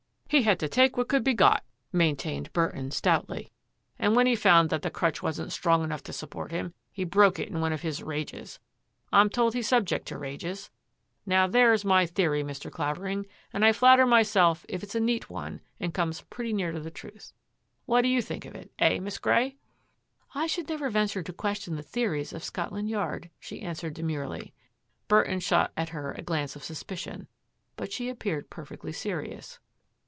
He had to take what could be got," maintained Burton stoutly. "And when he found that the crutch wasn't strong enough to support him, he broke it in one of his rages. I'm told he's subject to rages. Now there is my theory, Mr. Clavering, and I flatter myself it's a neat one and comes pretty near to the truth. What do you think of it, eh. Miss Grey? "I should never venture to question the theories of Scotland Yard," she answered demurely. Burton shot at her a glance of suspicion, but she appeared perfectly serious.